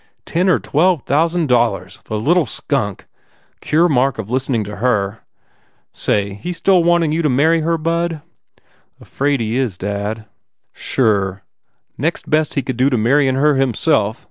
"Ten or twelve thousand dollars! The little skunk! Cure Mark of listening to her. Say, he still wanting you to marry her, bud?" "Afraid he is, dad." 245 THE FAIR REWARDS "Sure. Next best he could do to marryin her himself.